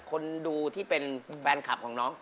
คนดูที่เป็นแฟนคลับของน้อง